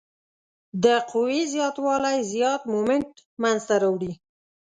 د قوې زیات والی زیات مومنټ منځته راوړي.